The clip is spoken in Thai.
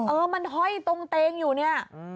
เออมันห้อยตรงเตงอยู่เนี่ย